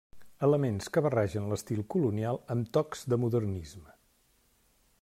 Elements que barregen l'estil colonial amb tocs de modernisme.